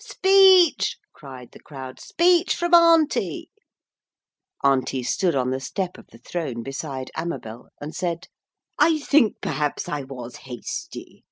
'Speech,' cried the crowd. 'Speech from Auntie!' Auntie stood on the step of the throne beside Amabel, and said: 'I think, perhaps, I was hasty.